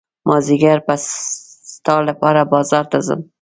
مازدیګر به ستا لپاره بازار ته ځم.